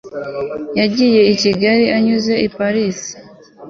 yagiye i kigali anyuze i paris